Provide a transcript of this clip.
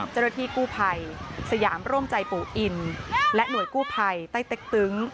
เจ้าหน้าที่กู้ภัยสยามร่วมใจปู่อินและหน่วยกู้ภัยใต้เต็กตึง